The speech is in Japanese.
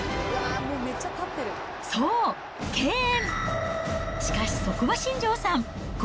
そう、敬遠。